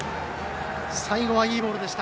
最後はいいボールでした。